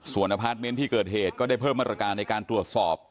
ส่วนอพาร์ทเมนต์ที่เกิดเหตุก็ได้เพิ่มมาตรการในการตรวจสอบ